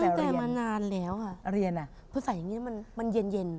ตั้งแต่มานานแล้วอ่ะเพราะใส่อย่างนี้มันเย็น